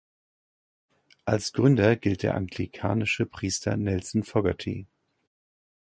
Als Gründer gilt der anglikanische Priester Nelson Fogarty.